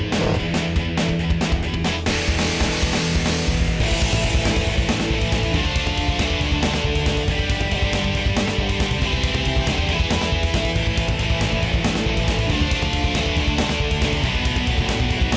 kali ini kita gak boleh gagal lagi